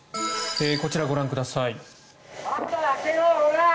こちらをご覧ください。